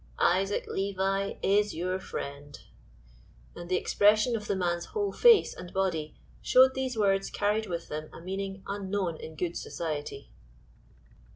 "Isaac Levi is your friend," and the expression of the man's whole face and body showed these words carried with them a meaning unknown in good society.